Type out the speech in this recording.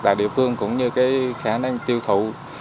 và địa phương cũng như cái khả năng tiêu thụ